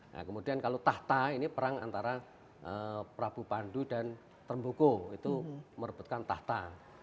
nah kemudian kalau tahta ini perang antara prabu pandu dan termbuku itu merebutkan tahta